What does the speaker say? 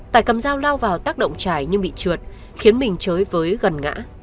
tải cầm dao lao vào tác động trải nhưng bị trượt khiến mình chơi với gần ngã